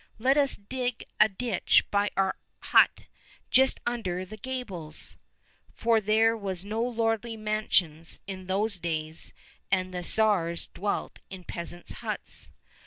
Let us dig a ditch by our hut — just under the gables !" (For there were no lordly mansions in those days, and the Tsars dwelt in peasants' huts.)